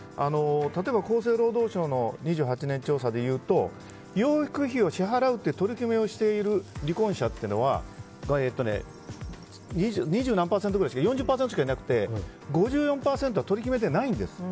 例えば、厚生労働省の２８年調査でいうと養育費を支払うという取り決めをしている離婚者というのは４０％ぐらいしかいなくて５４％は取り決めてないんです。